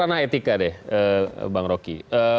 karena etika deh bang roki